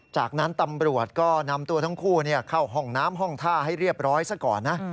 จากนั้นตำรวจก็นำตัวทั้งคู่เข้าห้องน้ำห้องท่าให้เรียบร้อยซะก่อนนะ